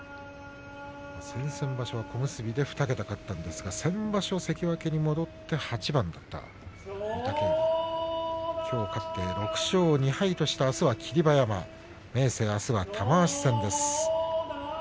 先々場所は小結で２桁勝ったんですが先場所、関脇に戻って８番勝った御嶽海きょう勝って６勝２敗としてあすは霧馬山です。